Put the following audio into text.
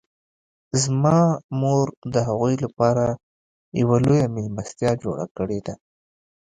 زما مور د هغوی لپاره یوه لویه میلمستیا جوړه کړې ده